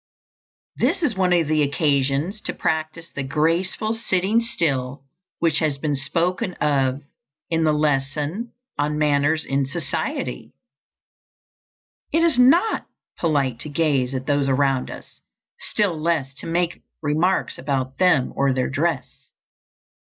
This is one of the occasions to practise the graceful sitting still which has been spoken of in the lesson on manners in society. It is not polite to gaze at those around us, still less to make remarks about them or their dress.